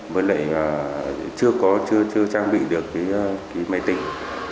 với lại chưa trang bị được máy tính